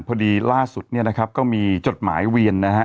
พอดีล่าสุดเนี่ยนะครับก็มีจดหมายเวียนนะฮะ